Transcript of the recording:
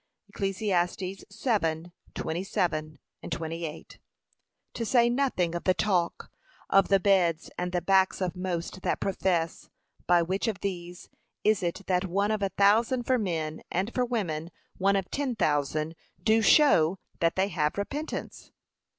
(Eccl 7:27,28) To say nothing of the talk, of the beds and the backs of most that profess, by which of these is it that one of a thousand for men; and for women, one of ten thousand, do show that they have repentance?